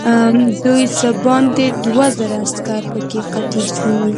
دوی څه باندې دوه زره عسکر پکې قتل شوي.